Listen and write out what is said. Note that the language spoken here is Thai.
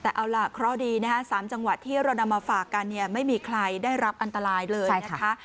เอาละครอดีนะสามจังหวะที่เรานำมาฝากกันไม่มีใครได้รับอันตรายเลยนะคะ